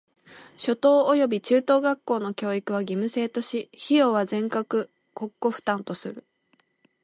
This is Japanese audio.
初等および中等学校の教育は義務制とし、費用は全額国庫負担とする。